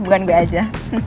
bukan gue aja